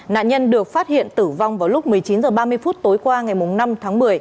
nạn nhân được phát hiện tử vong vào lúc một mươi chín h ba mươi phút tối qua ngày năm tháng một mươi